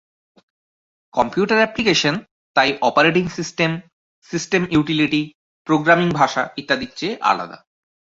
Computer application তাই operating system, system utility, programming ভাষা, ইত্যাদির চেয়ে আলাদা।